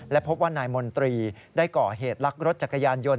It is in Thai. และพบว่านายมนตรีได้ก่อเหตุลักรถจักรยานยนต